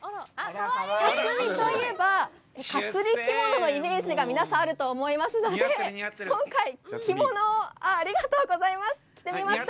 茶摘みといえばかすり着物のイメージが皆さん、あると思いますので、今回、着物を着てみました。